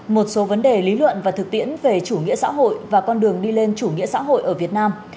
một số vấn đề lý luận và thực tiễn về chủ nghĩa xã hội và con đường đi lên chủ nghĩa xã hội ở việt nam